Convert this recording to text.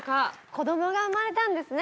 こどもが生まれたんですね。